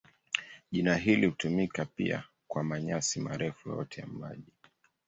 Jina hili hutumika pia kwa manyasi marefu yoyote ya maji.